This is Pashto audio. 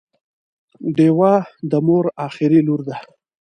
ډیوه د مور اخري لور ده